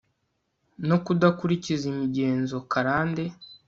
no kudakurikiza imigenzo karande